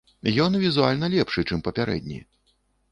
Ён візуальна лепшы, чым папярэдні.